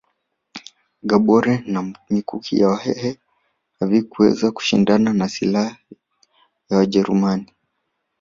Gobore na mikuki ya wahehe havikuweza kushindana na silaha za wajerumani